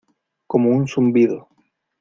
como un zumbido.